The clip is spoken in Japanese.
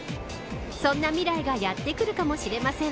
そんな未来がやってくるかもしれません。